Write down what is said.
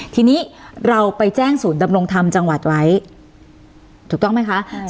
ทีนี้เราไปแจ้งศูนย์ดำรงธรรมจังหวัดไว้ถูกต้องไหมคะใช่